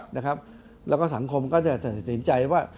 แล้วก็สังคมแล้วก็ติดใจว่า